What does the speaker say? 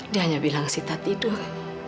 dia hanya bilang sita tidur